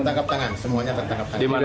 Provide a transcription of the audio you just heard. tangkap tangan semuanya tertangkap tangan